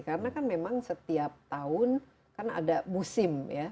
karena kan memang setiap tahun kan ada musim ya